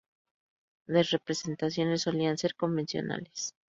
Las representaciones solían ser convencionales.